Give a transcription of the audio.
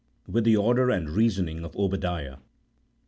with the order and reasoning of Obadiah.